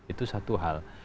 itu satu hal